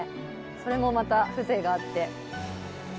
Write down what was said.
それもまた風情があっていいですね。